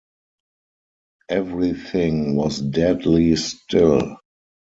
Everything was deadly still.